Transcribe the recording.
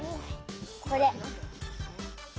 これ！